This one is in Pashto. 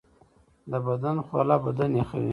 د بدن خوله بدن یخوي